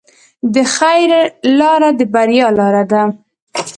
د خیر لاره د بریا لاره ده.